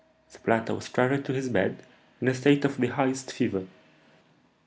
The planter was carried to his bed in a state of the highest fever.